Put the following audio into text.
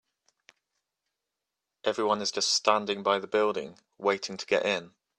Everyone is just standing by the building, waiting to get in.